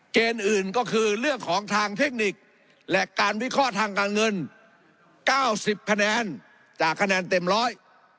เกณฑ์อื่นก็คือเรื่องของทางเทคนิคและการวิเคราะห์ทางการเงิน๙๐คะแนนจากคะแนนเต็มร้อย